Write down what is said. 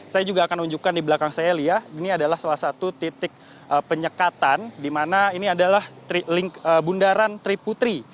saya juga akan unjukkan di belakang saya lia ini adalah salah satu titik penyekatan di mana ini adalah bundaran triputri